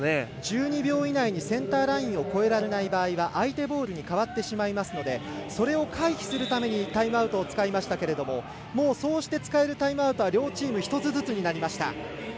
１２秒以内にセンターラインを越えられない場合は相手ボールに変わってしまいますのでそれを回避するためにタイムアウトを使いましたけどもうそうして使えるタイムアウト両チーム、１つずつになりました。